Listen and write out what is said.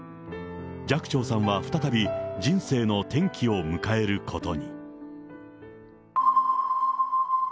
寂聴さんは再び、人生の転機を迎えることに。